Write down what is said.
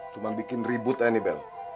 cuma bikin ribut aja nih bel